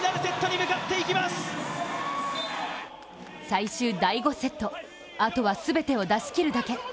最終第５セット、あとは全てを出しきるだけ。